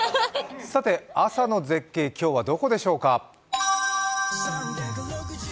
朝の絶景、今日はどこでしょうか。